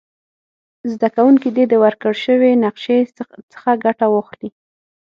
زده کوونکي دې د ورکړ شوې نقشي څخه ګټه واخلي.